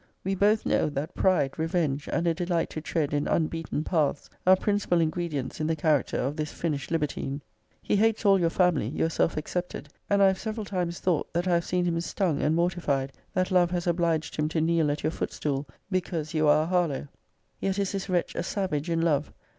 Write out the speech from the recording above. We both know, that pride, revenge, and a delight to tread in unbeaten paths, are principal ingredients in the character of this finished libertine. >>> He hates all your family yourself excepted: and I have several times thought, that I have seen >>> him stung and mortified that love has obliged him to kneel at your footstool, because you are a Har lowe. Yet is this wretch a savage in love.